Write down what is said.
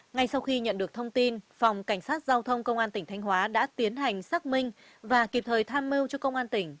ngay sau khi nhận được thông tin phòng cảnh sát giao thông công an tỉnh thanh hóa đã tiến hành xác minh và kịp thời tham mưu cho công an tỉnh